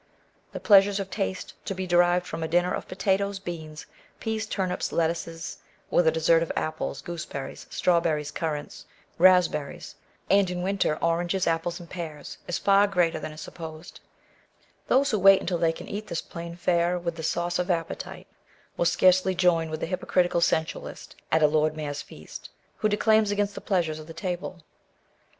The pleasures of taste to be derived from a dinner of pota toes, beans, peas, turnips, lettuces, with a dessert of ap^es, gooseberries, strawberries, cmrants, raspberries, and in r Digitized by Google A Vindication of Natural Diet. 25 winter, oranges, apples, and pears, is far greater than is supposed. Those who wait until they can eat this plain fare with the sauce of appetite will scarcely join with the hypo critical sensualist at a lord mayor's feast, who declaims against the pleasures of the tahle.